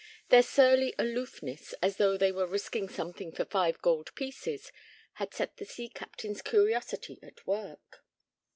Their surly aloofness, as though they were risking something for five gold pieces, had set the sea captain's curiosity at work.